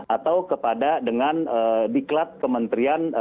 atau kepada dengan diklat kementerian